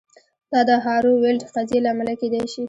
دا د هارو ویلډ قضیې له امله کیدای شي